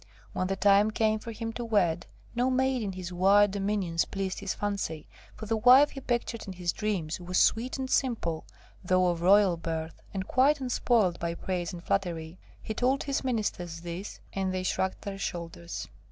When the time came for him to wed, no maid in his wide dominions pleased his fancy, for the wife he pictured in his dreams was sweet and simple, though of royal birth, and quite unspoiled by praise and flattery. He told his ministers this, and they shrugged their shoulders.